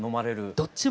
どっちも。